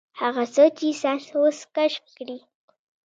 هغه څه چې ساينس اوس کشف کړي.